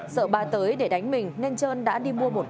sợ ba tới để đánh mình nên trơn đã đi mua một cây